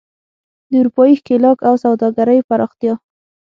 د اروپايي ښکېلاک او سوداګرۍ پراختیا.